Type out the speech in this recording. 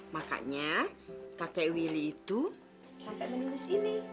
makanya kakek willy itu sampai menulis ini